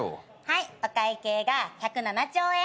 はいお会計が１０７兆円。